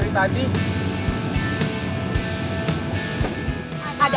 tidak kelihatan dari tadi